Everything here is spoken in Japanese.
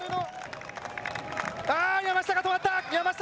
あー山下が止まった！